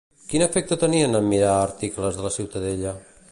Quin efecte tenien en mirar articles de la Ciutadella?